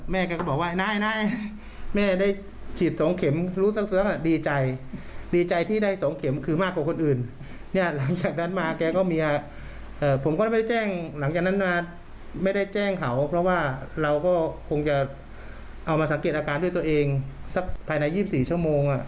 แกก็บอกว่านายแม่ได้ฉีด๒เข็มรู้สักดีใจดีใจที่ได้๒เข็มคือมากกว่าคนอื่นเนี่ยหลังจากนั้นมาแกก็เมียผมก็ได้แจ้งหลังจากนั้นมาไม่ได้แจ้งเขาเพราะว่าเราก็คงจะเอามาสังเกตอาการด้วยตัวเองสักภายใน๒๔ชั่วโมง